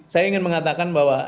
saya ingin mengatakan bahwa